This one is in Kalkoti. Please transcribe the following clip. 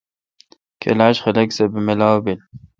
کلاشہ خلق سہ بہ ملاو بیل۔